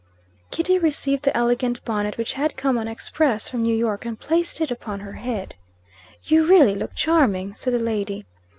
Kitty received the elegant bonnet which had come on express from New York, and placed it upon her head. "You really look charming," said the lady.